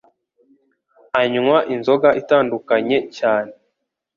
anywa inzoga itandukanye cyane